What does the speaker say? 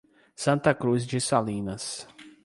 Santa Cruz de Salinas